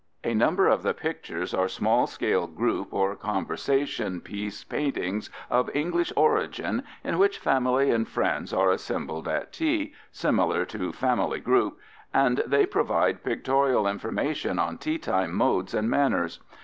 A number of the pictures are small scale group or conversation piece paintings of English origin in which family and friends are assembled at tea, similar to Family Group, and they provide pictorial information on teatime modes and manners.